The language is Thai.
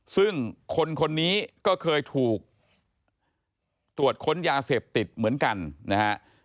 ซึ่งคนคนนี้ก็เคยถูกตรวจค้นยาเสพติดเหมือนกันนะฮะ